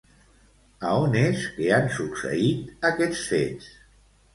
A on és que han succeït aquests fets?